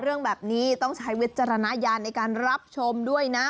เรื่องแบบนี้ต้องใช้วิจารณญาณในการรับชมด้วยนะ